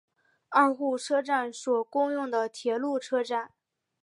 二户车站所共用的铁路车站。